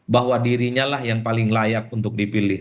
bahwa dirinya lah yang paling layak untuk dipilih